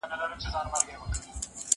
کیسې به تخیل لوړ کړي.